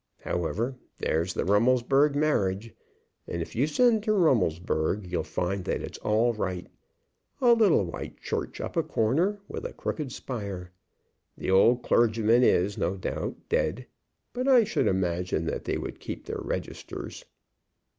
However, there's the Rummelsburg marriage, and if you send to Rummelsburg you'll find that it's all right, a little white church up a corner, with a crooked spire. The old clergyman is, no doubt, dead, but I should imagine that they would keep their registers."